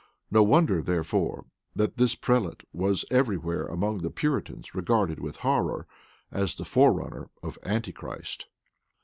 No wonder, therefore, that this prelate was every where among the Puritans regarded with horror, as the forerunner of Antichrist.